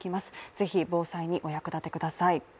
ぜひ防災にお役立てください。